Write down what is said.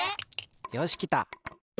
よしきた。